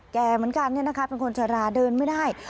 แก่เหมือนกันเนี่ยนะคะเป็นคนชราเดินไม่ได้